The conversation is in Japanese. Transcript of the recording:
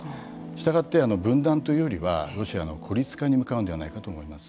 したがって、分断というよりはロシアの孤立化に向かうのではないかと思います。